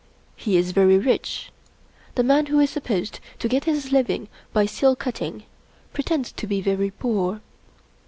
He is very rich. The man who is supposed to get his living by seal cutting pretends to be very poor.